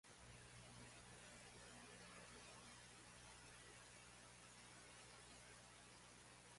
Со прстите го допрело своето лице и се вчудовидело.